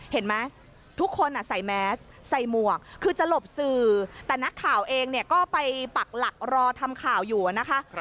เห็นไหมทุกคนใส่แมสใส่หมวกคือจะหลบสื่อแต่นักข่าวเองเนี่ยก็ไปปักหลักรอทำข่าวอยู่นะคะ